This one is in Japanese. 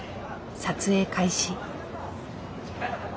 撮影開始。